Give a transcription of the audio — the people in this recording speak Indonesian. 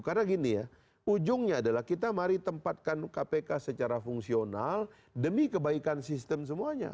karena gini ya ujungnya adalah kita mari tempatkan kpk secara fungsional demi kebaikan sistem semuanya